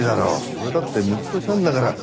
俺だってムッとしたんだから！